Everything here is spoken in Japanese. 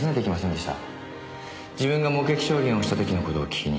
自分が目撃証言をした時の事を聞きに。